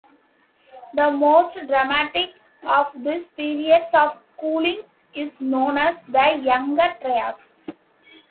The most dramatic of these periods of cooling is known as the Younger Dryas.